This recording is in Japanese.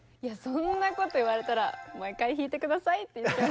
そんなこと言われたらもう一回弾いて下さいって言っちゃいますよね。